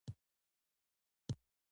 پسه د بڼوال لپاره شتمني ده.